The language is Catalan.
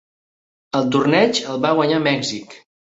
El torneig el va guanyar Mèxic.